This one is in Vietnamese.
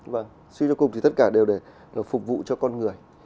vâng suy cho cùng thì tất cả đều để phục vụ cho con người